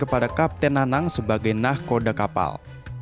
kepada kapten anang sebagai nahkoda kapal